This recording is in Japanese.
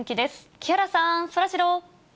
木原さん、そらジロー。